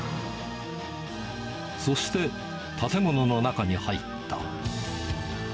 そして、建物の中に入った。